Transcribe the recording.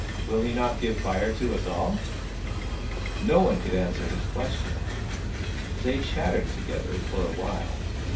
" Will he not give Fire to us all ?" No one could answer this question. They chat tered together for a while.